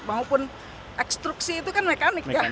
maupun ekstruksi itu kan mekanik ya